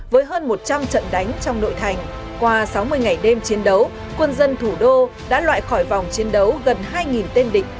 với hơn một trăm linh trận đánh trong nội thành qua sáu mươi ngày đêm chiến đấu quân dân thủ đô đã loại khỏi vòng chiến đấu gần hai tên định